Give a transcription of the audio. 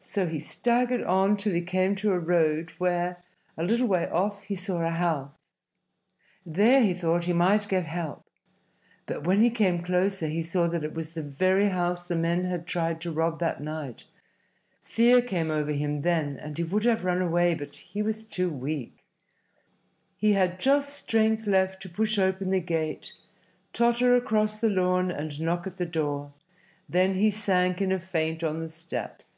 So he staggered on till he came to a road where, a little way off, he saw a house. There, he thought, he might get help. But when he came closer he saw that it was the very house the men had tried to rob that night. Fear came over him then, and he would have run away, but he was too weak. He had just strength left to push open the gate, totter across the lawn and knock at the door; then he sank in a faint on the steps.